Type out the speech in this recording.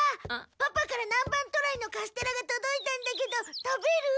パパから南蛮渡来のカステラがとどいたんだけど食べる？